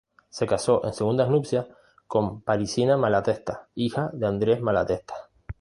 Se casó en segundas nupcias con Parisina Malatesta; hija de Andres Malatesta.